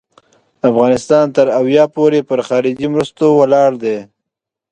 افغانستان تر اویا پوري پر خارجي مرستو ولاړ دی.